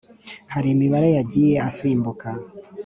hari imibare yagiye asimbuka